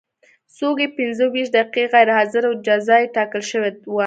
څوک چې پنځه ویشت دقیقې غیر حاضر و جزا یې ټاکل شوې وه.